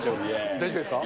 大丈夫ですか。